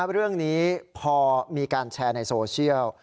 เรื่องนี้พอมีการแชร์ในโซเชียล